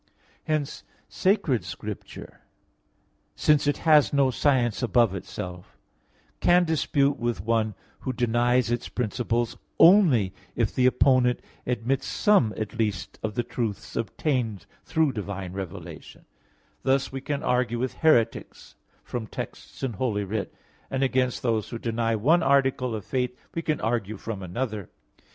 Hence Sacred Scripture, since it has no science above itself, can dispute with one who denies its principles only if the opponent admits some at least of the truths obtained through divine revelation; thus we can argue with heretics from texts in Holy Writ, and against those who deny one article of faith, we can argue from another.